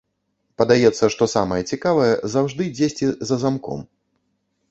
Падаецца, што самае цікавае заўжды дзесьці за замком.